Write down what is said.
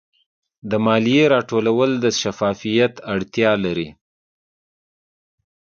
د مالیې راټولول د شفافیت اړتیا لري.